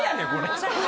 これ。